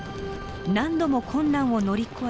何度も困難を乗り越え